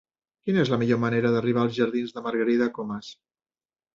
Quina és la millor manera d'arribar als jardins de Margarida Comas?